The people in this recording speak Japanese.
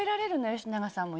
吉永さんも。